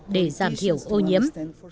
để giảm thiểu ô nhiễm